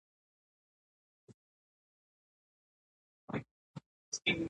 دغه ژباړه د پښتو له روح سره اړخ نه لګوي.